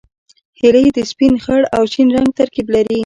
هیلۍ د سپین، خړ او شین رنګ ترکیب لري